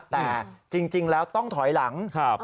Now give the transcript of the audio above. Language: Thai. แต่จริงแล้วต้องถอยหลัง